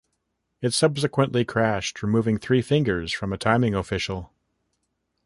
It subsequently crashed, removing three fingers from a timing official.